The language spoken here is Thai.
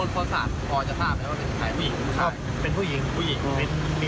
ก็เป็นผู้หญิงคือ